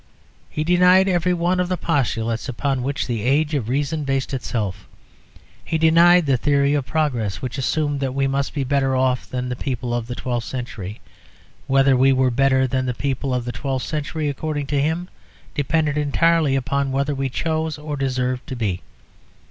He denied every one of the postulates upon which the age of reason based itself. He denied the theory of progress which assumed that we must be better off than the people of the twelfth century. Whether we were better than the people of the twelfth century, according to him, depended entirely upon whether we chose or deserved to be.